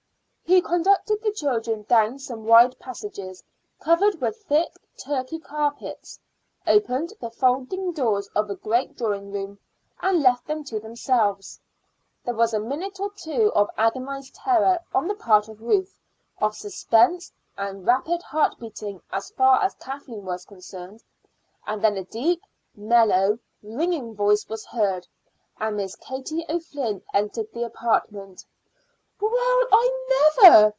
He conducted the children down some wide passages covered with thick Turkey carpets, opened the folding doors of a great drawing room, and left them to themselves. There was a minute or two of agonized terror on the part of Ruth, of suspense and rapid heart beating as far as Kathleen was concerned, and then a deep, mellow, ringing voice was heard, and Miss Katie O'Flynn entered the apartment. "Why, I never!"